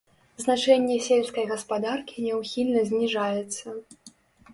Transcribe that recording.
Значэнне сельскай гаспадаркі няўхільна зніжаецца.